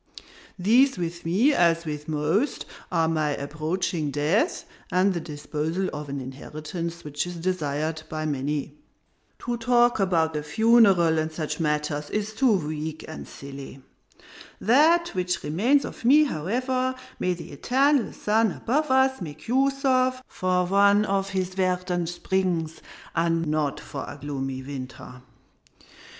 These with me, as with most, are my approaching death, and the disposal of an inheritance which is desired by many. To talk about the funeral and such matters is too weak and silly. That which remains of me, however, may the eternal sun above us make use of for one of his verdant springs, not for a gloomy winter!